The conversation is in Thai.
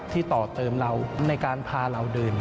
ต่อเติมเราในการพาเราเดิน